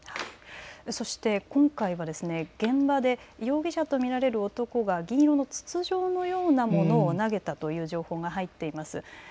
そして今回は現場で容疑者と見られる男が銀色の筒状のようなものを投げたという情報が入っています。